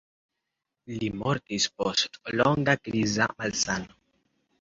Li mortis post longa kriza malsano.